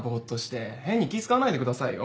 変に気使わないでくださいよ。